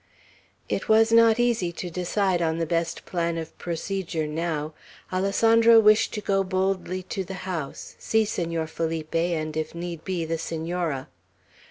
It was not easy to decide on the best plan of procedure now. Alessandro wished to go boldly to the house, see Senor Felipe, and if need be the Senora.